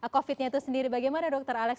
covid nya itu sendiri bagaimana dokter alex